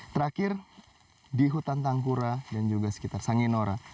terakhir di hutan tangkura dan juga sekitar sanginora